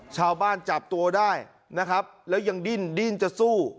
จับตัวได้นะครับแล้วยังดิ้นดิ้นจะสู้